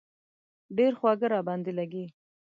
ډېر خواږه را باندې لږي.